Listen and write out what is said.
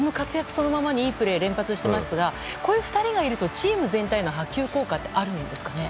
そのままにいいプレー連発していますがこういう２人がいるとチーム全体への波及効果ってあるんですかね。